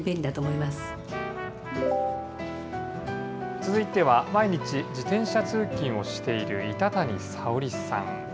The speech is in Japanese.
続いては、毎日自転車通勤をしている板谷彩小里さん。